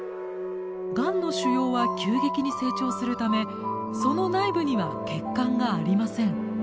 がんの腫瘍は急激に成長するためその内部には血管がありません。